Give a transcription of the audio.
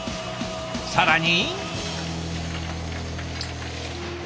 更に。